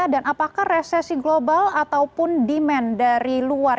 dan apakah resesi global ataupun demand dari luar